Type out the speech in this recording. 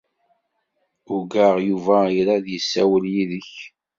Ugaɣ Yuba ira ad yessiwel yid-k.